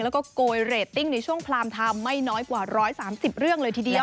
แล้วก็โกยเรตติ้งในช่วงพรามไทม์ไม่น้อยกว่า๑๓๐เรื่องเลยทีเดียว